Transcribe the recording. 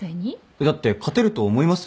えっだって勝てると思います？